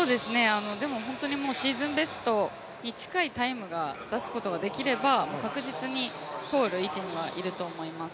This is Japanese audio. でもシーズンベストに近いタイムを出すことができれば確実に通る位置にはいると思います。